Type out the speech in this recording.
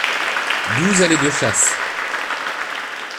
douze allée de Chasse